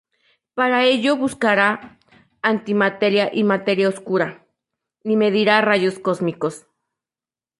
Para ello buscará antimateria y materia oscura, y medirá rayos cósmicos.